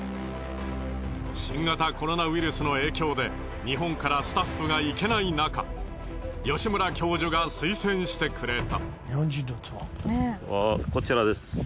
新型コロナウイルスの影響で日本からスタッフが行けないなか吉村教授が推薦してくれた。